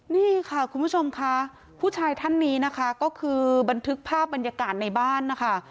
นี่ค่ะคุณผู้ชมค่ะผู้ชายท่านนี้นะคะก็คือบันทึกภาพบรรยากาศในบ้านนะคะ